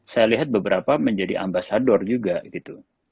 saya lihat beberapa menjadi ambasador juga gitu